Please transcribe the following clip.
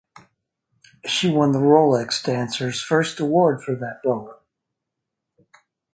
She won the Rolex Dancers First Award for that role.